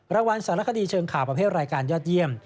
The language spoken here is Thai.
รางวัลสารคดีเชิงข่าวประเภทรายการยอดเยี่ยม